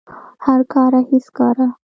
هر کاره هیڅ کاره